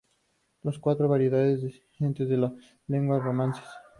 Las cuatro variedades descienden de las lenguas romances.